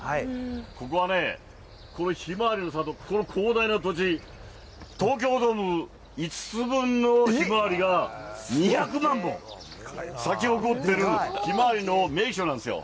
ここはね、ひまわりの里、この広大な土地、東京ドーム５つ分のひまわりが２００万本、咲き誇っているひまわりの名所なんですよ。